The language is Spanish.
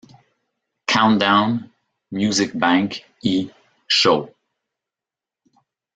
Countdown", "Music Bank" y "Show!